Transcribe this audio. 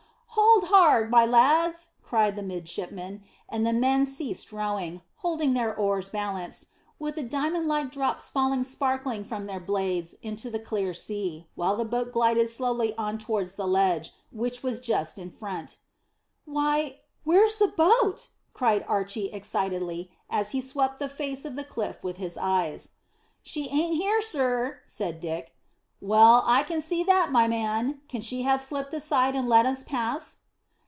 "Hold hard, my lads!" cried the midshipman, and the men ceased rowing, holding their oars balanced, with the diamond like drops falling sparkling from their blades into the clear sea, while the boat glided slowly on towards the ledge, which was just in front. "Why, where's the boat?" cried Archy excitedly, as he swept the face of the cliff with his eyes. "She aren't here, sir," said Dick. "Well, I can see that, my man. Can she have slipped aside and let us pass?"